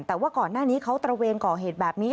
แต่ว่าก่อนหน้านี้เขาตระเวนก่อเหตุแบบนี้